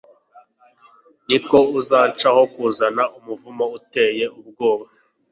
niko izanshaho kuzana umuvumo uteye ubwoba.